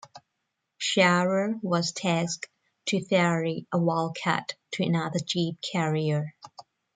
Sharer was tasked to ferry a Wildcat to another Jeep carrier.